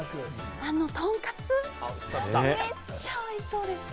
とんかつ、めっちゃおいしそうでした！